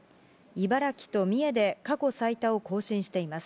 茨城と三重で、過去最多を更新しています。